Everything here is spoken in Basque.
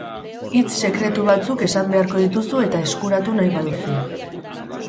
Hitz sekretu batzuk esan beharko dituzu eta eskuratu nahi baduzu.